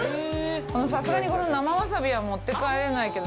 さすがにこの生ワサビは持って帰れないけど、